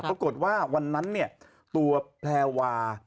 ปรากฏว่าวันนั้นตัวแพวา